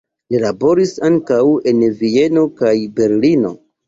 Li laboris ankaŭ en Vieno kaj Berlino.